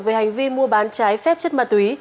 về hành vi mua bán trái phép chất ma túy